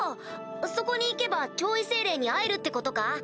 そこに行けば上位精霊に会えるってことか？